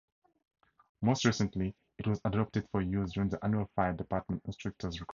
Most recently it was adopted for use during the annual Fire Department Instructors Conference.